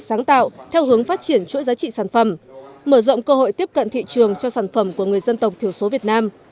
sáng tạo theo hướng phát triển chuỗi giá trị sản phẩm mở rộng cơ hội tiếp cận thị trường cho sản phẩm của người dân tộc thiểu số việt nam